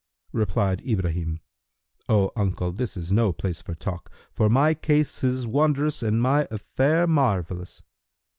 Replied Ibrahim, "O uncle, this is no place for talk, for my case is wondrous and my affair marvellous."